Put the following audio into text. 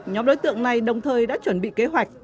nhóm đối tượng này đồng thời đã chuẩn bị kế hoạch